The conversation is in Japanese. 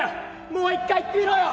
もう一回言ってみろよ」。